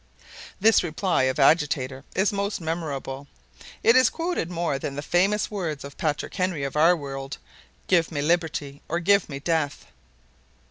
This reply of Agitator is most memorable. It is quoted more than the famous words of Patrick Henry of our world: "Give me liberty, or give me death!"